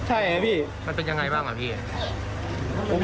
ใช่ไหมพี่มันเป็นอย่างไรบ้างครับพี่